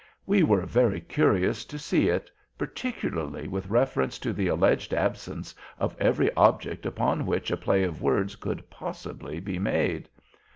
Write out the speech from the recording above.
We were very curious to see it, particularly with reference to the alleged absence of every object upon which a play of words could possibly be made.